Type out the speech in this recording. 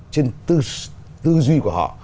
trên tư duy của họ